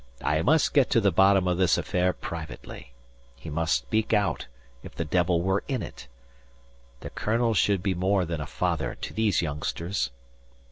I must get to the bottom of this affair privately. He must speak out, if the devil were in it. The colonel should be more than a father to these youngsters."